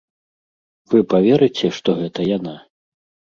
Вы паверыце, што гэта яна?